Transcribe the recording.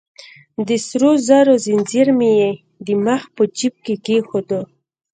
د سرو زرو ځنځیر مې يې د مخ په جیب کې کېښود.